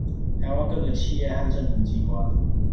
台灣各個企業和政府機關